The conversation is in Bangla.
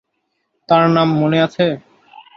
তার নাম মনে আছে?